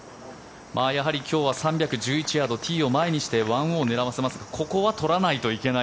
やはり今日は３１１ヤードティーを前にして１オンを狙わせますがここは取らないといけない。